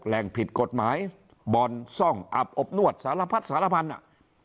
แหล่งผิดกฎหมายบ่อนซ่องอับอบนวดสารพัดสารพันธุ์อ่ะ